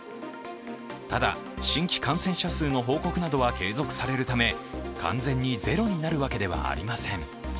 ただ、新規感染者数の報告などは継続されるため、完全にゼロになるわけではありません。